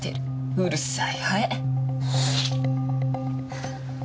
うるさいハエ。